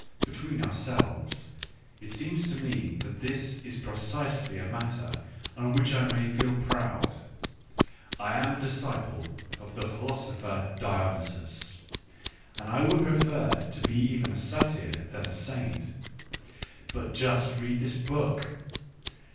Between ourselves, it seems to me that this is precisely a matter on which I may feel proud. J am a d is ciple ofthe philo sopher Dionysus, and I would i ^prefer~tol>e even a satyr than a saint. But just read this book